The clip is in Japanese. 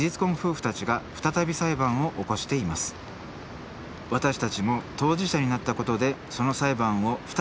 私たちも当事者になったことでその裁判を２人で傍聴しに行きました